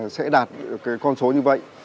sẽ đạt con số như vậy